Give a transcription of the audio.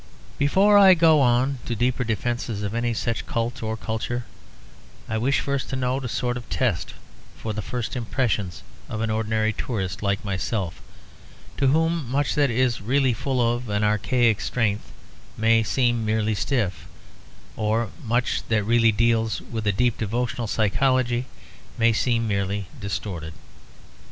Before I go on to deeper defences of any such cult or culture, I wish first to note a sort of test for the first impressions of an ordinary tourist like myself, to whom much that is really full of an archaic strength may seem merely stiff, or much that really deals with a deep devotional psychology may seem merely distorted.